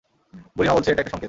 বুড়ি মা বলছে এটা একটা সংকেত।